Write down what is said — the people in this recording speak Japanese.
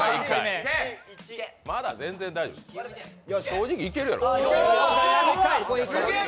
正直いけるやろ。